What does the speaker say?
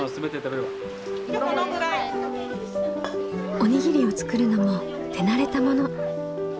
おにぎりを作るのも手慣れたもの。